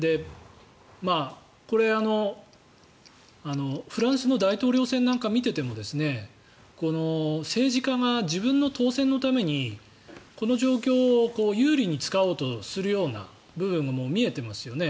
これ、フランスの大統領選なんかを見ていても政治家が自分の当選のためにこの状況を有利に使おうとするような部分がもう見えていますよね。